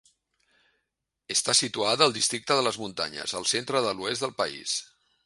Està situada al districte de les Muntanyes, al centre de l'oest del país.